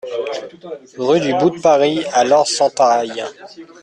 Rue du Bout de Paris à Lorp-Sentaraille